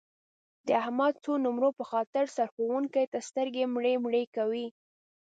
د احمد د څو نمرو په خاطر سرښوونکي ته سترګې مړې مړې کوي.